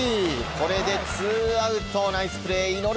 これでツーアウト、ナイスプレー。